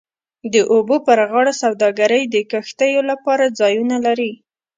د اوبو پر غاړه سوداګرۍ د کښتیو لپاره ځایونه لري